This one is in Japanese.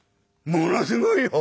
「ものすごいよ」。